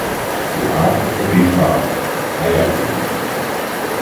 Die Art ist ovipar (eierlegend).